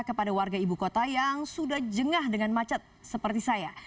kepada warga ibu kota yang sudah jengah dengan macet seperti saya